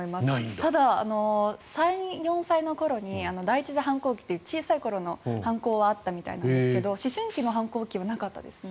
ただ、３４歳の頃に第１次反抗期という小さい頃の反抗はあったみたいなんですが思春期の反抗はなかったですね。